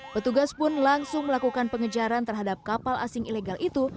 petugas pun langsung melakukan pengejaran terhadap kapal asing ilegal itu